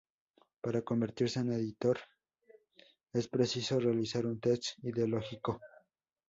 Para convertirse en editor es preciso realizar un "test" ideológico.